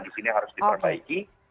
di sini harus diperbaiki